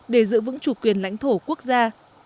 để giữ vững chủ quyền lãnh thổ quốc gia